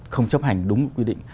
không chấp hành đúng quy định